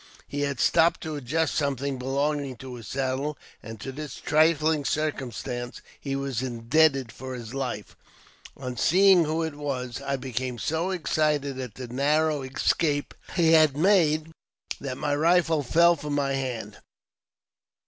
He had stopped to adjust something belonging to his saddle, and to this trifling circumstance he was indebted for his life. On 76 AUTOBIOGBAPHY OF seeing who it was, I become so excited at the narrow escape he had made, that my rifle fell from my hand.